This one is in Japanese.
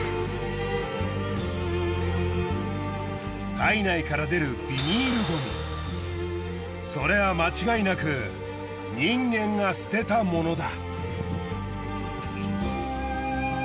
体内から出るそれは間違いなく人間が捨てたものだ。